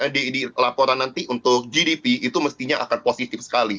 di laporan nanti untuk gdp itu mestinya akan positif sekali